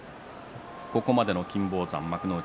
ここまでの金峰山幕内